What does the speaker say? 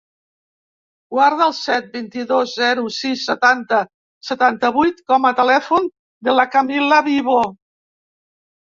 Guarda el set, vint-i-dos, zero, sis, setanta, setanta-vuit com a telèfon de la Camila Vivo.